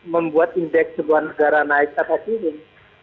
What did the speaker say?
membuat indeks sebuah negara naik atau turun